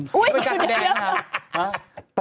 จะให้แต่ลูกศึกแดงหรือครับ